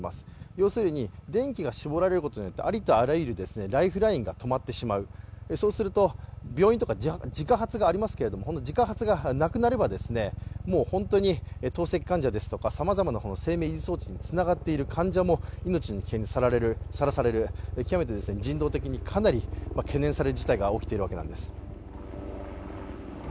要するに電気が絞られることによってありとあらゆるライフラインが止められてしまうそうすると、病院とか自家発がありますけど自家発がなくなれば、本当に透析患者とかさまざまな生命維持装置につながっている患者も命の危険にさらされる極めて人道的にかなり懸念される事態が起きているわけです。